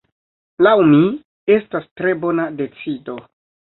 Laŭ mi estas tre bona decido.